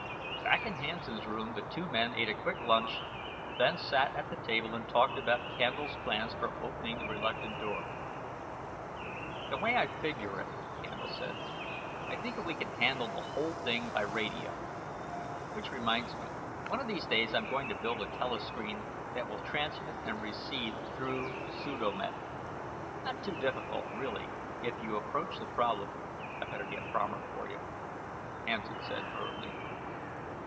Back in Hansen's room, the two men ate a quick lunch, then sat at the table and talked about Candle's plans for opening the reluctant door. "The way I figure it," Candle said, "I think that we can handle the whole thing by radio. Which reminds me, one of these days I'm going to build a telescreen that will transmit and receive through pseudo met. Not too difficult really if you approach the problem " "I better get Fromer for you," Hansen said hurriedly.